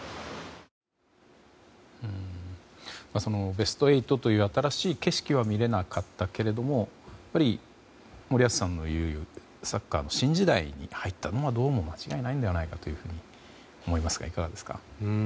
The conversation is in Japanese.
ベスト８という新しい景色は見れなかったけれども森保さんの言うサッカーの新時代に入ったのはどうも間違いないのではないかと思いますが、いかがですか。